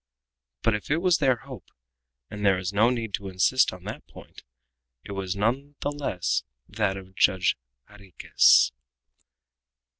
But if it was their hope and there is no need to insist on that point it was none the less that of Judge Jarriquez.